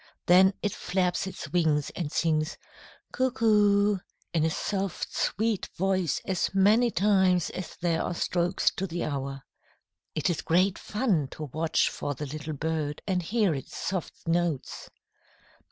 Then it flaps its wings and sings "cuckoo" in a soft, sweet voice as many times as there are strokes to the hour. It is great fun to watch for the little bird and hear its soft notes.